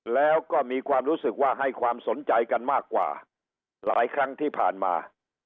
แล้วก็มีความรู้สึกว่าให้ความสนใจกันมากกว่าหลายครั้งที่ผ่านมา